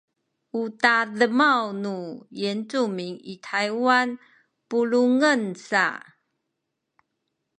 u tademaw nu Yincumin i Taywan pulungen sa